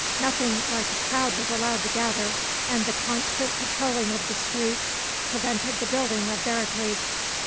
Nothing like a crowd was allowed to gather, and the constant patrolling of the streets prevented the building of barricades.